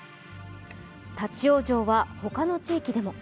立往生はほかの地域でも。